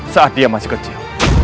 saat dia masih kecil